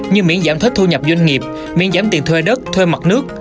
như miễn giảm thuế thu nhập doanh nghiệp miễn giảm tiền thuê đất thuê mặt nước